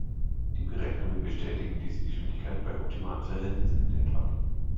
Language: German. Die Berechnungen bestätigen diese Geschwindigkeit bei optimalen Verhältnissen in etwa.